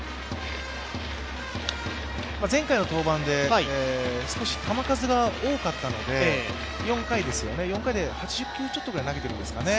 前回の登板で少し球数が多かったので、４回で８０球ちょっとぐらい投げているんですかね。